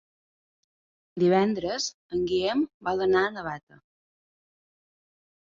Divendres en Guillem vol anar a Navata.